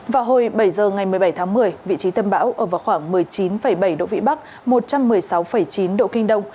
vào hồi bảy giờ ngày một mươi bảy tháng một mươi vị trí tâm bão ở vào khoảng một mươi chín bảy độ vĩ bắc một trăm một mươi sáu chín độ kinh đông